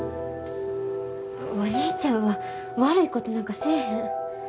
お兄ちゃんは悪いことなんかせえへん。